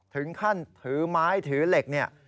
ถึงขั้นถือไม้ถือเหล็กเนี่ย